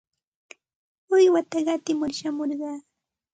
Uywata qatimur shamurqaa.